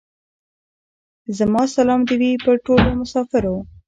زما سلام دي وې پر ټولو مسافرو.